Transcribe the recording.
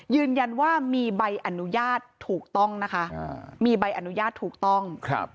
ยืนยันว่ามีใบอนุญาตถูกต้องนะคะมีใบอนุญาตถูกต้อง